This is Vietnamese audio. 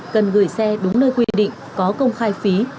cần gửi xe đúng nơi quy định có công khai phí